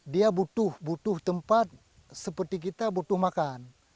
dia butuh butuh tempat seperti kita butuh makan